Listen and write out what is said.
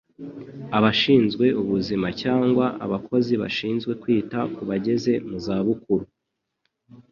abashinzwe ubuzima cyangwa abakozi bashinzwe kwita ku bageze mu za bukuru.